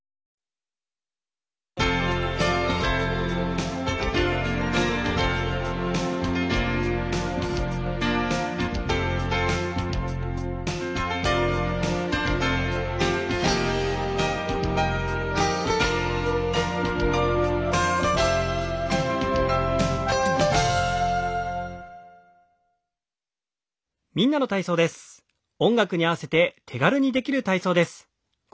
今日の体調に合わせて手軽にできる体操です。